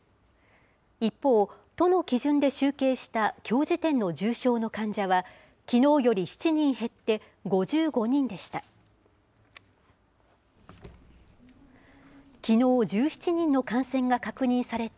一方、都の基準で集計したきょう時点の重症の患者は、きのうより７人減って、５５人でした。